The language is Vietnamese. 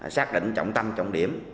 xác định trọng tâm trọng điểm